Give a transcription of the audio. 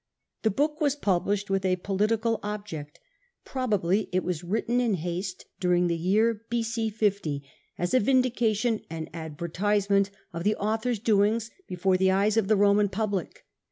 The book was published with a political object — probably it was written in haste during the year b.c. 50 as a vindication and advertisement of the author's doings before the eyes of the Roman public.